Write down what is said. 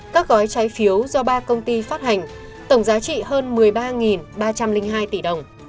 các gói trái phiếu do ba công ty phát hành tổng giá trị hơn một mươi ba ba trăm linh hai tỷ đồng